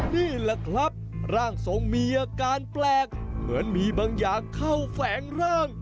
นี่แหละครับร่างทรงมีอาการแปลกเหมือนมีบางอย่างเข้าแฝงร่าง